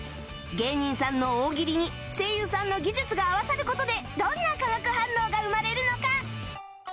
芸人さんの大喜利に声優さんの技術が合わさる事でどんな化学反応が生まれるのか？